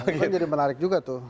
itu jadi menarik juga tuh